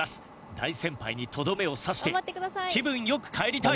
大先輩にとどめを刺して気分良く帰りたい！